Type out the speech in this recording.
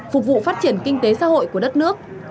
phục vụ phát triển kinh tế xã hội của đất nước